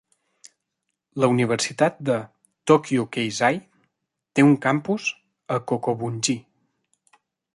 La Universitat de Tokyo Keizai té un campus a Kokubunji.